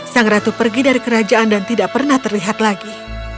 sang ratu pergi dari kerajaan dan tidak pernah terlihat lagi